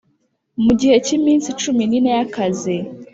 mu gihe cy iminsi cumi n ine y akazi